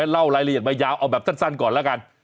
เล่ารายละเอียดมายาวเอาแบบสั้นก่อนแล้วกัน